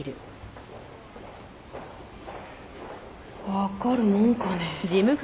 わかるもんかねぇ。